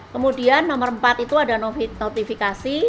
kemudian nomor empat itu ada notifikasi